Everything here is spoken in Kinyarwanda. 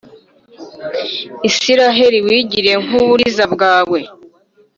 Israheli wigiriye nk’uburiza bwawe.